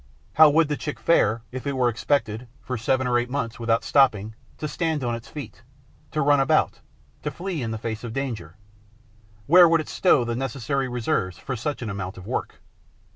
How would the chick fare if it were expected, for seven or eight months without stopping, to stand on its feet, to run about, to flee in the face of danger? Where would it stow the necessary reserves for such an amount of work?